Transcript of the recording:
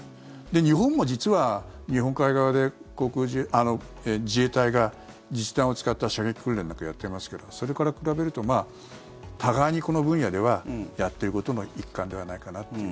日本も実は、日本海側で自衛隊が実弾を使った射撃訓練なんかやってますけどそれから比べると互いにこの分野ではやってることの一環ではないかなっていう。